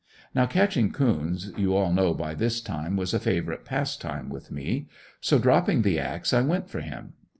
Now catching coons, you all know by this time was a favorite passtime with me, so dropping the axe I went for him.